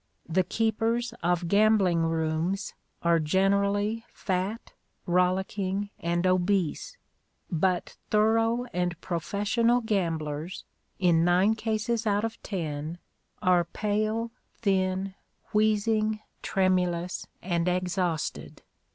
The keepers of gambling rooms are generally fat, rollicking, and obese; but thorough and professional gamblers, in nine cases out of ten, are pale, thin, wheezing, tremulous, and exhausted.